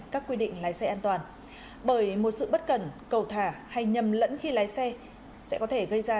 các quy định lái xe an toàn bởi một sự bất cẩn cầu thả hay nhầm lẫn khi lái xe sẽ có thể gây ra